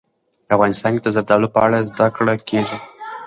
افغانستان کې د زردالو په اړه زده کړه کېږي.